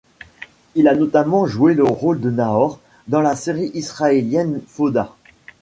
Il a notamment joué le rôle de Naor dans la série israélienne Fauda.